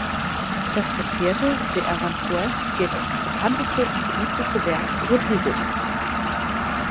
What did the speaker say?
Das "Concierto de Aranjuez" gilt als das bekannteste und beliebteste Werk Rodrigos.